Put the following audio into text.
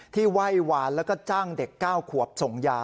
ไหว้วานแล้วก็จ้างเด็ก๙ขวบส่งยา